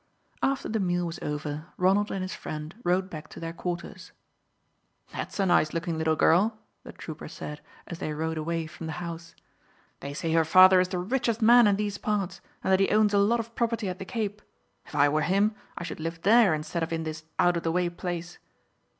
After the meal was over, Ronald and his friend rode back to their quarters. "That's a nice looking little girl," the trooper said, as they rode away from the house; "they say her father is the richest man in these parts, and that he owns a lot of property at the Cape. If I were him I should live there instead of in this out of the way place."